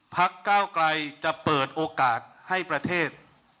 ก้าวไกลจะเปิดโอกาสให้ประเทศ